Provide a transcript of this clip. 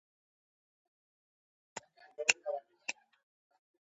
ჯეფი ძირითადად კლავიშებიან ინსტრუმენტებთან მუშაობს.